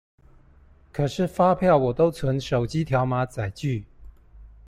可是發票我都存手機條碼載具